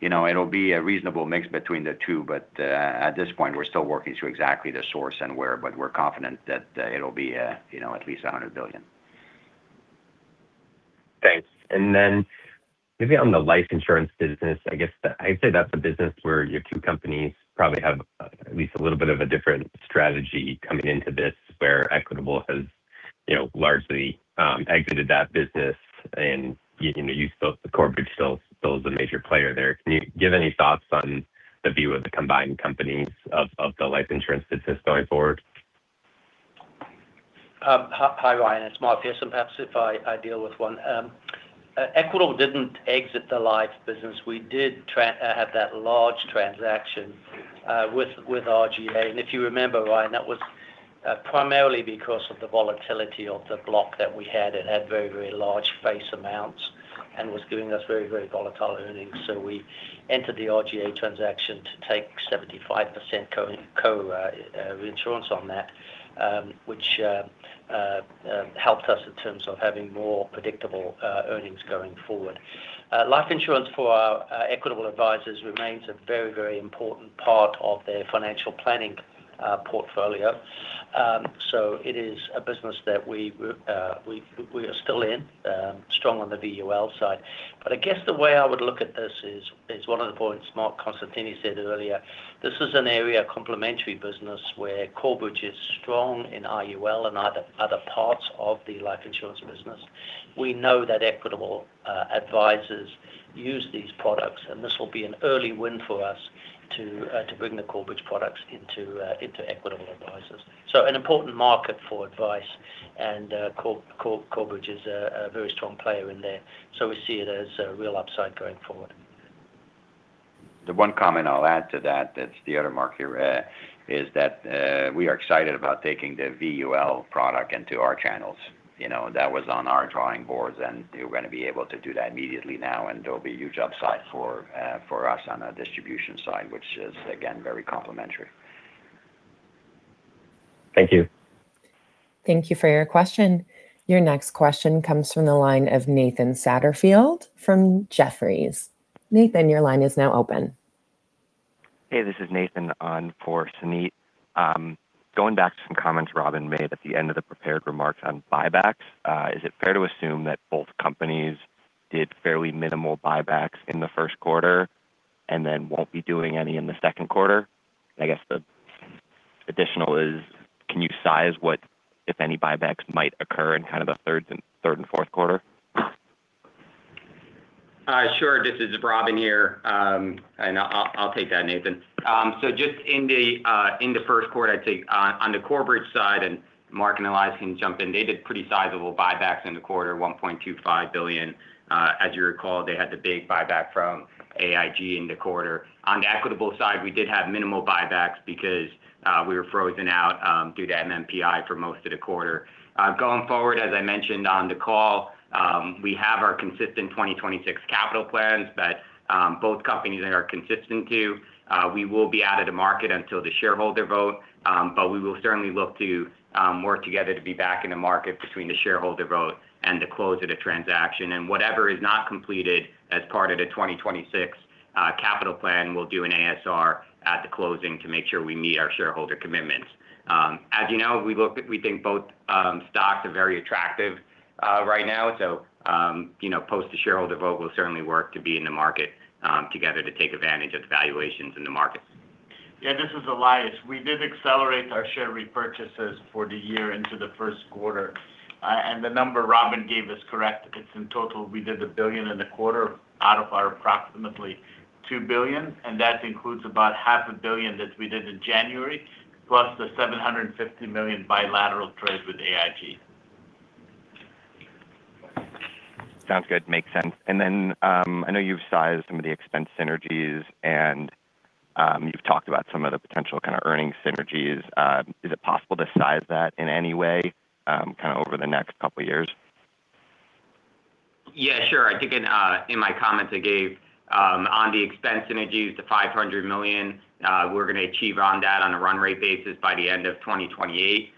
You know, it'll be a reasonable mix between the two, but at this point, we're still working through exactly the source and where, but we're confident that it'll be you know, at least $100 billion. Thanks. Maybe on the Life Insurance business, I guess I'd say that's a business where your two companies probably have at least a little bit of a different strategy coming into this where Equitable has, you know, largely exited that business and you know, Corebridge still is a major player there. Can you give any thoughts on the view of the combined companies of the Life Insurance business going forward? Hi, Ryan. It's Mark here. Perhaps if I deal with one. Equitable didn't exit the life business. We did have that large transaction with RGA. If you remember, Ryan, that was primarily because of the volatility of the block that we had. It had very large face amounts and was giving us very volatile earnings. We entered the RGA transaction to take 75% coinsurance on that, which helped us in terms of having more predictable earnings going forward. Life insurance for our Equitable Advisors remains a very important part of their financial planning portfolio. It is a business that we are still in, strong on the VUL side. I guess the way I would look at this is one of the points Marc Costantini said earlier. This is an area of complementary business where Corebridge is strong in IUL and other parts of the Life Insurance business. We know that Equitable Advisors use these products, and this will be an early win for us to bring the Corebridge products into Equitable Advisors. An important market for advice, and Corebridge is a very strong player in there. We see it as a real upside going forward. The one comment I'll add to that, it's the other Mark here, is that we are excited about taking the VUL product into our channels. You know, that was on our drawing boards, and we're gonna be able to do that immediately now, and there'll be huge upside for us on the distribution side, which is again, very complementary. Thank you. Thank you for your question. Your next question comes from the line of Nathan Satterfield from Jefferies. Nathan, your line is now open. Hey, this is Nathan on for Suneet. Going back to some comments Robin made at the end of the prepared remarks on buybacks, is it fair to assume that both companies did fairly minimal buybacks in the first quarter and then won't be doing any in the second quarter? I guess the additional is, can you size what, if any, buybacks might occur in kind of the third and fourth quarter? Sure. This is Robin here, and I'll take that, Nathan. So just in the first quarter, I'd say on the Corebridge side, and Mark and Elias can jump in, they did pretty sizable buybacks in the quarter, $1.25 billion. As you recall, they had the big buyback from AIG in the quarter. On the Equitable side, we did have minimal buybacks because we were frozen out due to MNPI for most of the quarter. Going forward, as I mentioned on the call, we have our consistent 2026 capital plans that both companies are consistent to. We will be out of the market until the shareholder vote, but we will certainly look to work together to be back in the market between the shareholder vote and the close of the transaction. Whatever is not completed as part of the 2026 capital plan, we'll do an ASR at the closing to make sure we meet our shareholder commitments. As you know, we think both stocks are very attractive right now, so you know, post the shareholder vote, we'll certainly work to be in the market together to take advantage of the valuations in the markets. Yeah, this is Elias. We did accelerate our share repurchases for the year into the first quarter. The number Robin gave is correct. In total, we did $1.25 billion out of our approximately $2 billion, and that includes about $500 million that we did in January, plus the $750 million bilateral trade with AIG. Sounds good. Makes sense. I know you've sized some of the expense synergies, and you've talked about some of the potential kind of earnings synergies. Is it possible to size that in any way, kind of over the next couple of years? Yeah, sure. I think in my comments I gave on the expense synergies, the $500 million we're gonna achieve on that on a run rate basis by the end of 2028.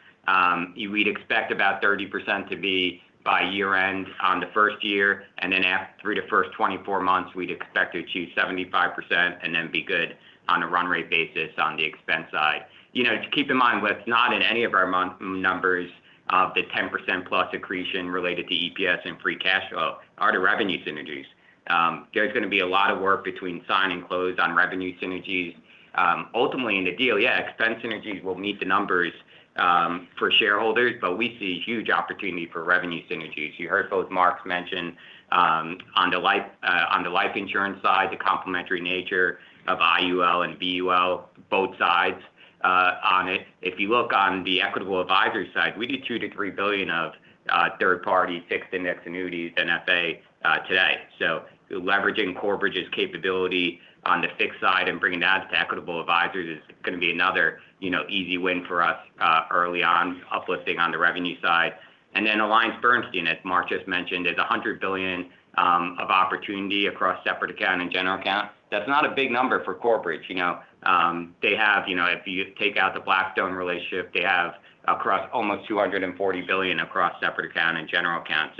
We'd expect about 30% to be by year-end on the first year, and then after the first 24 months, we'd expect to achieve 75% and then be good on a run rate basis on the expense side. You know, to keep in mind, what's not in any of our model numbers of the 10%+ accretion related to EPS and free cash flow are the revenue synergies. There's gonna be a lot of work between sign and close on revenue synergies. Ultimately in the deal, yeah, expense synergies will meet the numbers for shareholders, but we see huge opportunity for revenue synergies. You heard both Marks mention on the life insurance side, the complementary nature of IUL and VUL, both sides on it. If you look on the Equitable Advisors side, we did $2 billion-$3 billion of third party fixed index annuities and FIA today. Leveraging Corebridge's capability on the fixed side and bringing that to Equitable Advisors is gonna be another, you know, easy win for us early on, uplifting on the revenue side. AllianceBernstein, as Mark just mentioned, is $100 billion of opportunity across separate account and general account. That's not a big number for Corebridge. You know, they have, you know, if you take out the Blackstone relationship, they have across almost $240 billion across separate account and general account.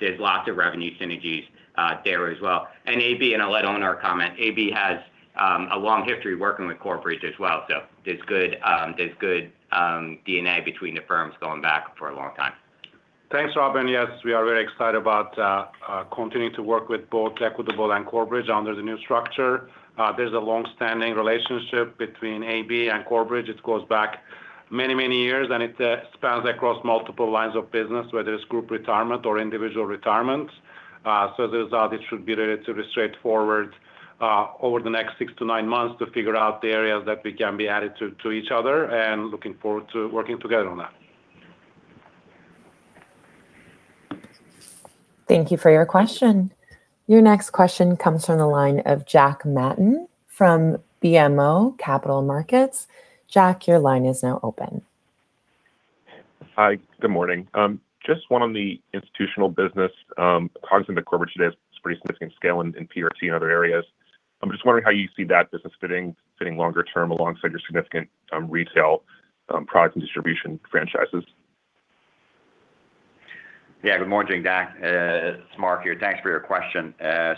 There's lots of revenue synergies there as well. AB, and I'll let Onur comment. AB has a long history working with Corebridge as well. There's good DNA between the firms going back for a long time. Thanks, Robin. Yes, we are very excited about continuing to work with both Equitable and Corebridge under the new structure. There's a long-standing relationship between AB and Corebridge. It goes back many, many years, and it spans across multiple lines of business, whether it's Group Retirement or Individual Retirement. It should be relatively straightforward over the next 6-9 months to figure out the areas that we can be added to each other, and looking forward to working together on that. Thank you for your question. Your next question comes from the line of John Matten from BMO Capital Markets. Jack, your line is now open. Hi, good morning. Just one on the institutional business. Cognizant that Corebridge today has pretty significant scale in PRT and other areas, I'm just wondering how you see that business fitting longer term alongside your significant retail product and distribution franchises? Good morning, Jack. It's Marc here. Thanks for your question. Yes,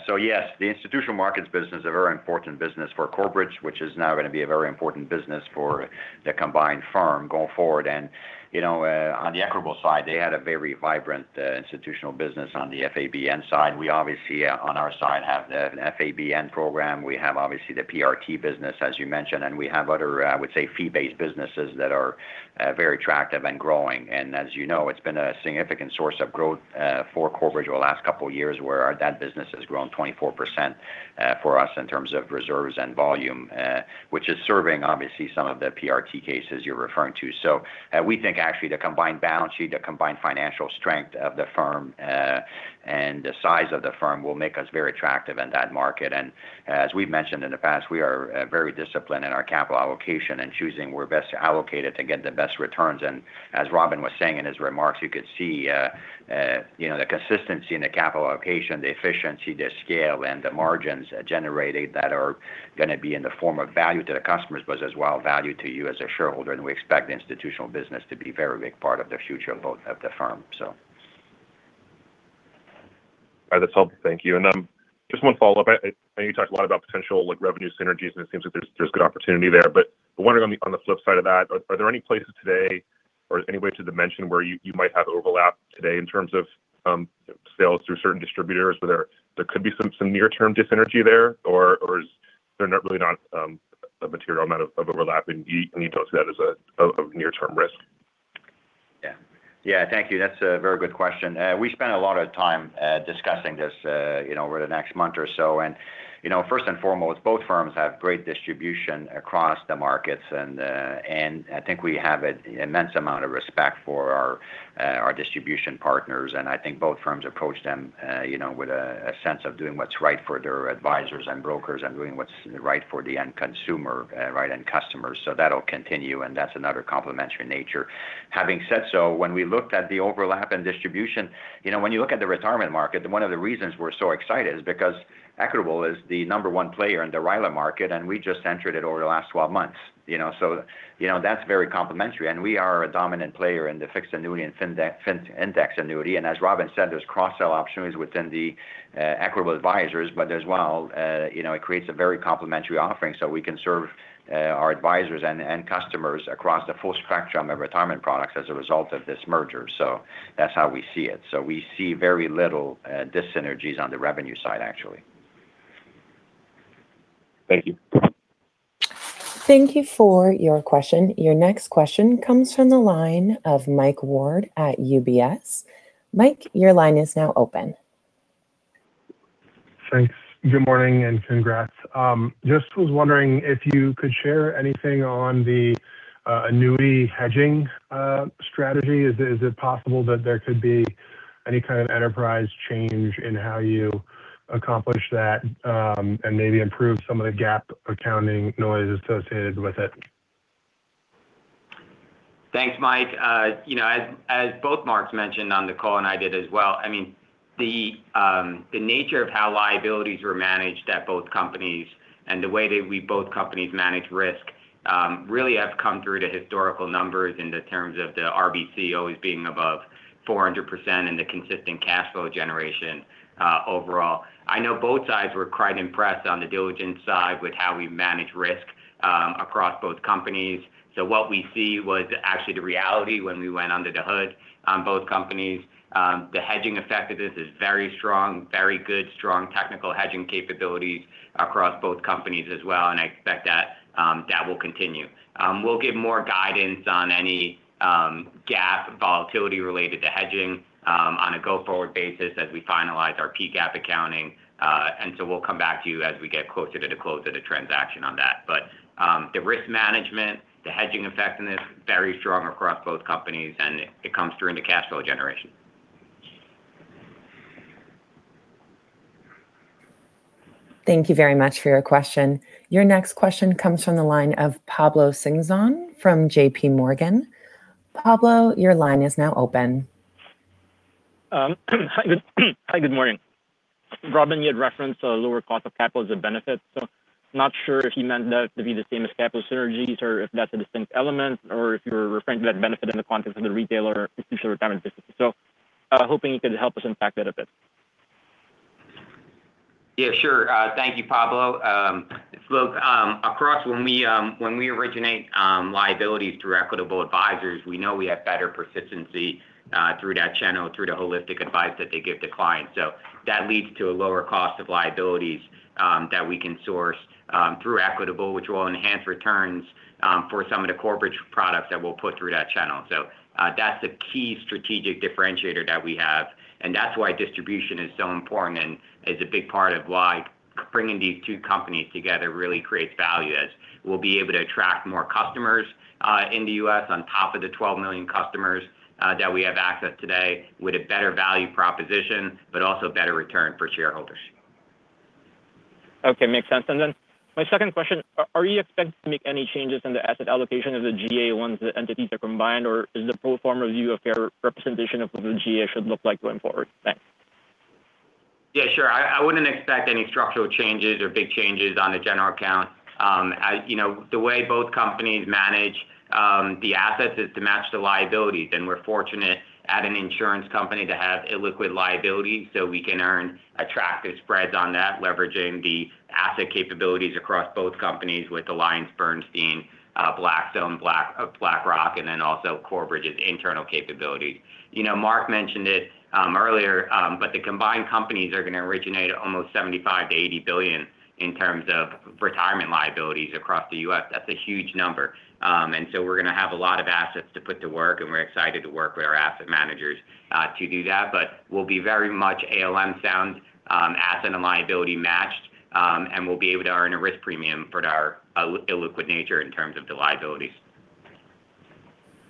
the Institutional Markets business is a very important business for Corebridge, which is now gonna be a very important business for the combined firm going forward. You know, on the Equitable side, they had a very vibrant institutional business on the FABN side. We obviously on our side have the FABN program. We have obviously the PRT business, as you mentioned, and we have other, I would say, fee-based businesses that are very attractive and growing. As you know, it's been a significant source of growth for Corebridge over the last couple of years, where that business has grown 24% for us in terms of reserves and volume, which is serving obviously some of the PRT cases you're referring to. We think actually the combined balance sheet, the combined financial strength of the firm, and the size of the firm will make us very attractive in that market. As we've mentioned in the past, we are very disciplined in our capital allocation and choosing where best to allocate it to get the best returns. As Robin was saying in his remarks, you could see, you know, the consistency in the capital allocation, the efficiency, the scale, and the margins generated that are gonna be in the form of value to the customers, but as well, value to you as a shareholder. We expect the institutional business to be a very big part of the future of both of the firm. All right. That's helpful. Thank you. Just one follow-up. I know you talked a lot about potential, like, revenue synergies, and it seems like there's good opportunity there, but I'm wondering on the flip side of that, are there any places today or is there any way to dimension where you might have overlap today in terms of sales through certain distributors where there could be some near-term dis-synergy there or is there really not a material amount of overlap, and you'd pose that as a near-term risk? Thank you. That's a very good question. We spent a lot of time discussing this, you know, over the next month or so. You know, first and foremost, both firms have great distribution across the markets. I think we have an immense amount of respect for our distribution partners, and I think both firms approach them, you know, with a sense of doing what's right for their advisors and brokers and doing what's right for the end consumer, right, end customers. That'll continue, and that's another complementary nature. Having said so, when we looked at the overlap in distribution, you know, when you look at the retirement market, one of the reasons we're so excited is because Equitable is the number one player in the RILA market, and we just entered it over the last 12 months, you know. You know, that's very complementary. We are a dominant player in the fixed annuity and fixed index annuity. As Robin said, there's cross-sell opportunities within the Equitable Advisors, but as well, you know, it creates a very complementary offering, so we can serve our advisors and customers across the full spectrum of retirement products as a result of this merger. That's how we see it. We see very little dyssynergies on the revenue side, actually. Thank you. Thank you for your question. Your next question comes from the line of Michael Ward at UBS. Mike, your line is now open. Thanks. Good morning, and congrats. Just was wondering if you could share anything on the annuity hedging strategy. Is it possible that there could be any kind of enterprise change in how you accomplish that, and maybe improve some of the GAAP accounting noise associated with it? Thanks, Mike. You know, as both Marks mentioned on the call, and I did as well, I mean, the nature of how liabilities were managed at both companies and the way that both companies manage risk really have come through the historical numbers in terms of the RBC always being above 400% and the consistent cash flow generation overall. I know both sides were quite impressed on the diligence side with how we manage risk across both companies. What we see was actually the reality when we went under the hood on both companies. The hedging effect of this is very strong, very good, strong technical hedging capabilities across both companies as well, and I expect that will continue. We'll give more guidance on any GAAP volatility related to hedging on a go-forward basis as we finalize our PGAAP accounting. We'll come back to you as we get closer to the close of the transaction on that. The risk management, the hedging effectiveness, very strong across both companies, and it comes through in the cash flow generation. Thank you very much for your question. Your next question comes from the line of Pablo Singzon from J.P. Morgan. Pablo, your line is now open. Hi, good morning. Robin, you had referenced a lower cost of capital as a benefit, so not sure if you meant that to be the same as capital synergies, or if that's a distinct element, or if you're referring to that benefit in the context of the retail versus the retirement business. I'm hoping you could help us unpack that a bit. Yeah, sure. Thank you, Pablo. Look, across when we originate liabilities through Equitable Advisors, we know we have better persistency through that channel, through the holistic advice that they give to clients. That leads to a lower cost of liabilities that we can source through Equitable, which will enhance returns for some of the Corebridge products that we'll put through that channel. That's a key strategic differentiator that we have, and that's why distribution is so important and is a big part of why bringing these two companies together really creates value, as we'll be able to attract more customers in the U.S. on top of the 12 million customers that we have access today with a better value proposition, but also better return for shareholders. Okay. Makes sense. Then my second question, are you expected to make any changes in the asset allocation of the GA ones, entities are combined, or is the pro forma view a fair representation of what the GA should look like going forward? Thanks. Yeah, sure. I wouldn't expect any structural changes or big changes on the general account. You know, the way both companies manage the assets is to match the liabilities, and we're fortunate at an insurance company to have illiquid liabilities so we can earn attractive spreads on that, leveraging the asset capabilities across both companies with AllianceBernstein, Blackstone, BlackRock, and then also Corebridge's internal capabilities. You know, Mark mentioned it earlier, but the combined companies are gonna originate almost $75 billion-$80 billion in terms of retirement liabilities across the U.S. That's a huge number. We're gonna have a lot of assets to put to work, and we're excited to work with our asset managers to do that. We'll be very much ALM sound, asset and liability matched, and we'll be able to earn a risk premium for our illiquid nature in terms of the liabilities.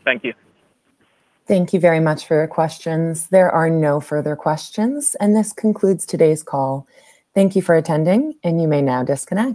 Thank you. Thank you very much for your questions. There are no further questions, and this concludes today's call. Thank you for attending, and you may now disconnect.